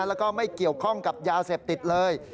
แล้วก็ไม่เกี่ยวข้องกับยาเสพติดเลย